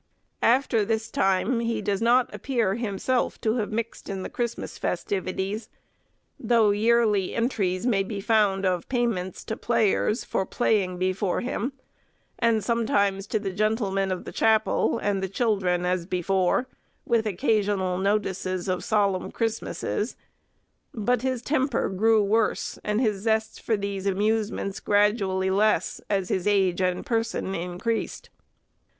After this time he does not appear himself to have mixed in the Christmas festivities, though yearly entries may be found of payments to players, for playing before him, and sometimes to the gentlemen of the chapel, and the children as before, with occasional notices of solemn Christmasses; but his temper grew worse, and his zest for these amusements gradually less, as his age and person increased.